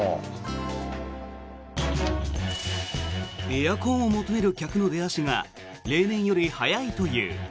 エアコンを求める客の出足が例年より早いという。